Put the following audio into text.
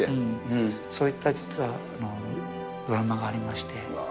そういった実はドラマがありまして。